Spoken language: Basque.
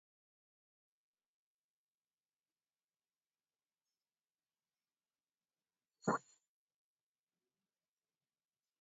—Noiz pagatuko didazu? —Noiz?, haizerik ez den urtean.